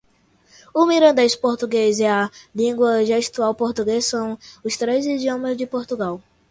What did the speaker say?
O Mirandês, Português e a Lingua Gestual Portuguesa são os três idiomas de Portugal.